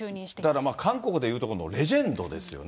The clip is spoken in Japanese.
だから韓国でいうところのレジェンドですよね。